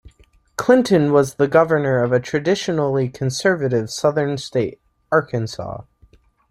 Clinton was the governor of a traditionally conservative Southern state, Arkansas.